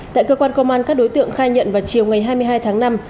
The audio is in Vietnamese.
tại cơ quan công an các đối tượng khai nhận vào chiều ngày hai mươi hai tháng năm